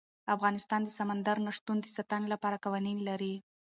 افغانستان د سمندر نه شتون د ساتنې لپاره قوانین لري.